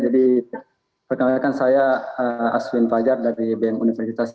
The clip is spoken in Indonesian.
jadi perkenalkan saya aswin fajar dari bank universitas